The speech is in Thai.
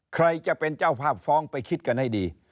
ใครจะเป็นเจ้าภาพฟ้องไปคิดกันให้ดี